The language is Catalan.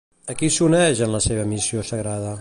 A qui s'uneix en la seva missió sagrada?